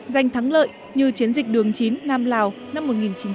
danh thắng lợi như chiến dịch đường chín nam lào năm một nghìn chín trăm chín mươi bảy